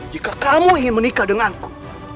jika kamu ingin menikah denganku